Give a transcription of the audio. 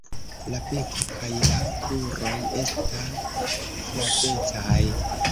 La beko kaj la kruroj esta flavecaj.